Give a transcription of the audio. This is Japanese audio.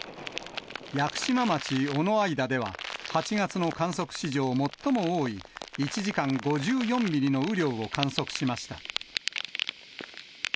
屋久島町尾之間では８月の観測史上最も多い１時間５４ミリの雨量を観測しました。